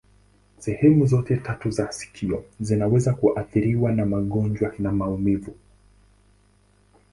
Sehemu zote tatu za sikio zinaweza kuathiriwa na magonjwa na maumivu.